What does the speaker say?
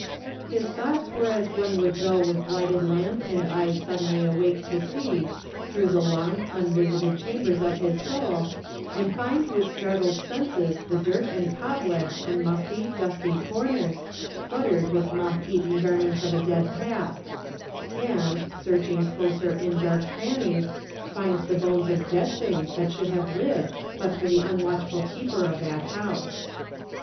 His thoughts were as one would go with lighted lamp and eyes suddenly awake to see, through the long unvisited chambers of his soul, and find with startled senses the dirt and cobwebs and musty, dusty comers, cluttered with moth eaten garments of a dead past; and, searching closer in dark crannies, find the bones of dead things that should have lived but for the un watchful keeper of that house.